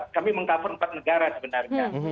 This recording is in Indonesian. kami meng cover empat negara sebenarnya